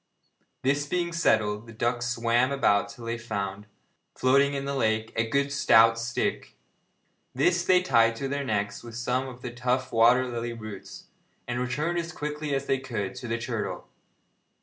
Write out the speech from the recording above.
This being settled, the ducks swam about till they found, floating in the lake, a good stout stick. This they tied to their necks with some of the tough water lily roots, and returned as quickly as they could to the turtle.